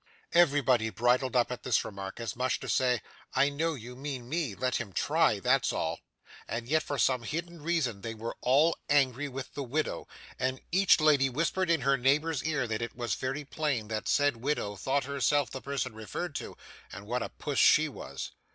Everybody bridled up at this remark, as much as to say, 'I know you mean me. Let him try that's all.' and yet for some hidden reason they were all angry with the widow, and each lady whispered in her neighbour's ear that it was very plain that said widow thought herself the person referred to, and what a puss she was!